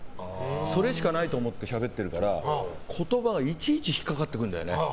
それしかないと思ってしゃべってるから言葉はいちいち引っかかってくるんだよね。